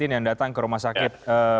yang datang ke rumah sakit